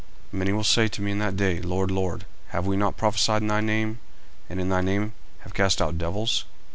40:007:022 Many will say to me in that day, Lord, Lord, have we not prophesied in thy name? and in thy name have cast out devils?